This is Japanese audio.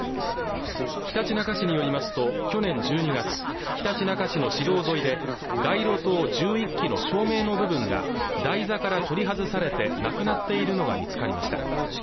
ひたちなか市によりますと去年１２月ひたちなか市の市道沿いで街路灯１１基の照明の部分が台座から取り外されてなくなっているのが見つかりました